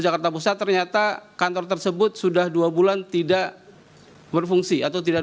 jakarta pusat ternyata kantor tersebut sudah dua bulan tidak berfungsi atau tidak